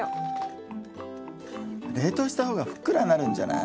冷凍した方がふっくらになるんじゃない？